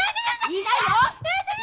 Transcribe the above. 言いないよ！